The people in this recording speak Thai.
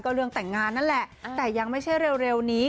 เรื่องแต่งงานนั่นแหละแต่ยังไม่ใช่เร็วนี้